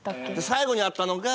最後に会ったのが。